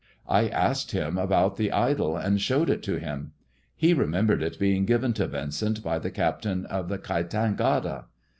I asked him about the idol, and showed it to him. He remembered it being given to Yincent by the captain of the Kaitangata.